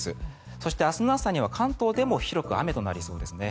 そして明日の朝には関東でも広く雨となりそうですね。